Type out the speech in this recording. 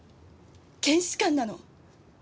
検視官なの。